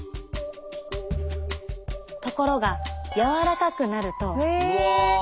ところが柔らかくなると。